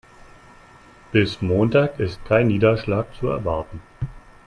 Bis Montag ist kein Niederschlag zu erwarten.